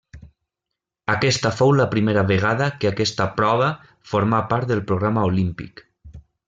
Aquesta fou la primera vegada que aquesta prova formà part del programa olímpic.